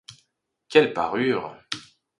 Quelle parure !